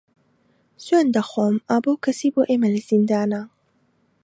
سوێند دەخۆم ئە بەو کەسەی بۆ ئێمە لە زیندانە